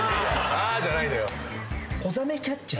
「あ」じゃないのよ。